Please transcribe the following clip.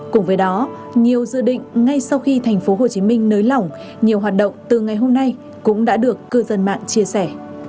cùng với đó nhiều dự định ngay sau khi tp hcm nới lỏng nhiều hoạt động từ ngày hôm nay cũng đã được cư dân mạng chia sẻ